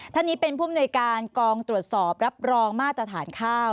ท่านนี้เป็นผู้มนุยการกองตรวจสอบรับรองมาตรฐานข้าว